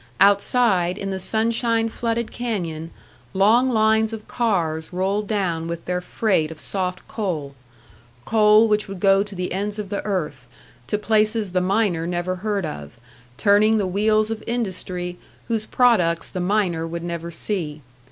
Outside in the sunshine flooded canyon, long lines of cars rolled down with their freight of soft coal; coal which would go to the ends of the earth, to places the miner never heard of, turning the wheels of industry whose products the miner would never see.